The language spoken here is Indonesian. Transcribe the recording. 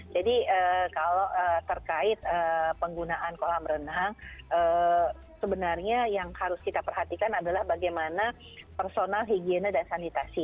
jadi kalau terkait penggunaan kolam renang sebenarnya yang harus kita perhatikan adalah bagaimana personal higiena dan sanitasi